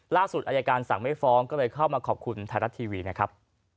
ล่าสุดอายการสั่งไม่ฟ้องก็เลยเข้ามาขอบคุณไทยรัฐทีวีนะครับ